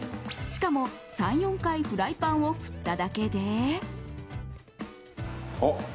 しかも、３４回フライパンを振っただけで。